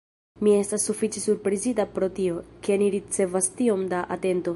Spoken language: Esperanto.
Mi estas sufiĉe surprizita pro tio, ke ni ricevas tiom da atento.